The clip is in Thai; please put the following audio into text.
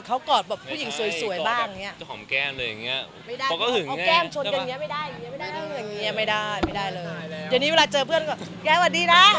เดี๋ยวนี้เวลาเจอเพื่อนก็แกสวัสดีนะ